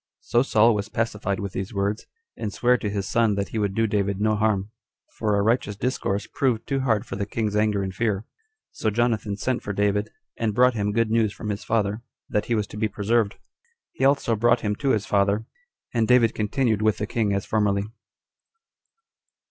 So Saul was pacified with these words, and sware to his son that he would do David no harm, for a righteous discourse proved too hard for the king's anger and fear. So Jonathan sent for David, and brought him good news from his father, that he was to be preserved. He also brought him to his father; and David continued with the king as formerly.